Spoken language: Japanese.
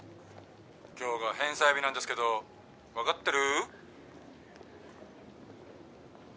今日が返済日なんですけどわかってる？